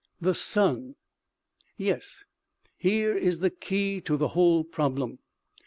" The sun ! Yes, here is the key to the whole problem.